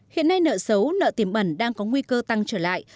hiện nay nợ xấu nợ tiềm ẩn đang có nguy cơ tăng trở lại